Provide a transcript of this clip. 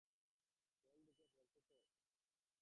জল ঢুকে পড়ছে তো!